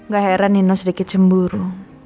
gak heran nino sedikit cemburu